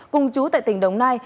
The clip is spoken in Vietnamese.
cùng chú tại tỉnh đồng nai